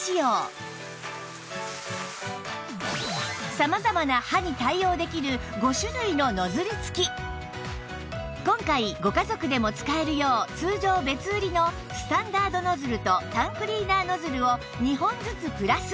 様々な歯に対応できる今回ご家族でも使えるよう通常別売りのスタンダードノズルとタンクリーナーノズルを２本ずつプラス